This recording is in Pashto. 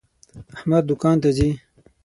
احمد دوکان ته ځي.